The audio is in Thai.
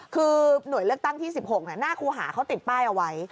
คือหน่วยเลือกตั้งที่๑๖หน้าครูหาเขาติดป้ายเอาไว้